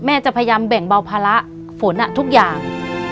จะพยายามแบ่งเบาภาระฝนทุกอย่าง